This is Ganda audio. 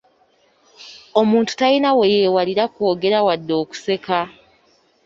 Omuntu talina we yeewalira kwogera wadde okuseka.